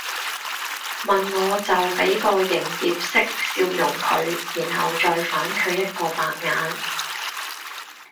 問我就俾個營業式笑容佢然後再反佢一個白眼